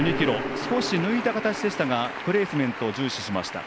少し抜いた形でしたがプレースメントを重視しました。